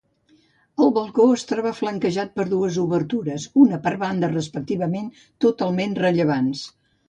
El balcó es troba flanquejat per dues obertures -una per banda respectivament-, totalment rellevants.